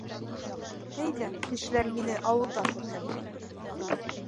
Әйҙә, кешеләр мине ауылда күрһен.